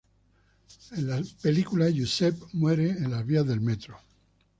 En la película Giuseppe muere en las vías del metro.